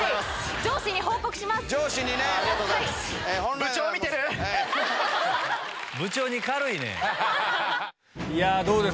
上司に報告します。